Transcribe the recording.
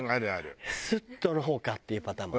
スッとの方かっていうパターンも。